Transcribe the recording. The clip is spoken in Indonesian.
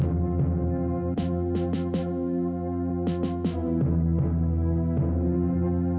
jadi mereka tak merasa perlu memeriksa orang orang yang masuk